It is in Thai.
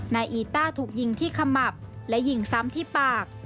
นายอีต้าถูกยิงที่ขมับและยิงซ้ำที่ปาก